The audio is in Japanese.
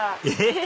えっ？